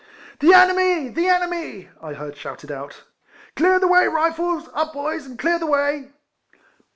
" The enemy ! The enemy !" I heard shouted out. ." Clear the way, Rifles ! Up boys, and clear the way